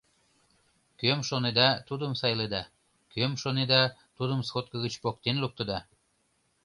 Кӧм шонеда, тудым сайледа; кӧм шонеда, тудым сходка гыч поктен луктыда!